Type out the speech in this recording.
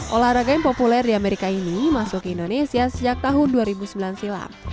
olahraga yang populer di amerika ini masuk ke indonesia sejak tahun dua ribu sembilan silam